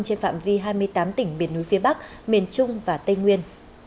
trên phạm vi hai mươi tám tỉnh biển núi phía bắc miền trung và tây nguyên